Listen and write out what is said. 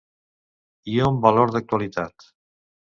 I un valor d’actualitat.